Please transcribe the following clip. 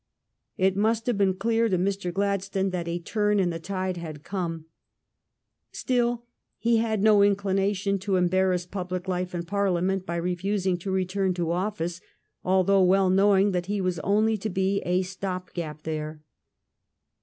It must have been clear to Mr. Gladstone that a turn in the tide had come. Still, he had no inclination to embarrass public life and Parliament by refusing to return to office, although well knowing that he was only to be a stop gap there.